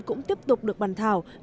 cũng tiếp tục được bàn thảo